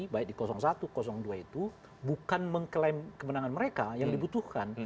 baik di satu dua itu bukan mengklaim kemenangan mereka yang dibutuhkan